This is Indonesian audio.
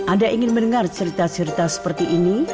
anda ingin mendengar cerita cerita seperti ini